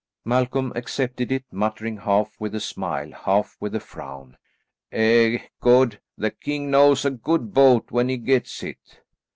Malcolm accepted it, muttering half with a smile, half with a frown, "E god, the king knows a good boat when he gets it."